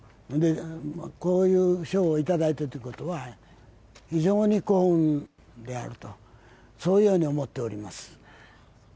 こういう賞をいただいたということは非常に幸運であるとそういうように思っております。